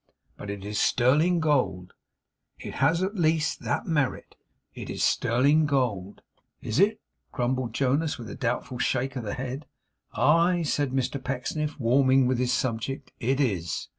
But it is sterling gold. It has at least that merit. It is sterling gold.' 'Is it?' grumbled Jonas, with a doubtful shake of the head. 'Aye!' said Mr Pecksniff, warming with his subject 'it is.